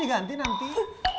diganti diganti nanti